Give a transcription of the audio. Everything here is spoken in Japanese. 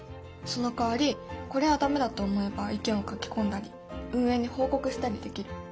そのかわりこれは駄目だと思えば意見を書き込んだり運営に報告したりできる。